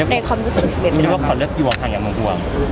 อยากเลือกไปกันก็เพลง